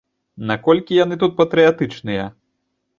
Наколькі яны тут патрыятычныя?